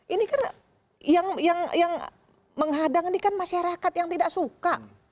ini kan yang menghadang ini kan masyarakat yang tidak suka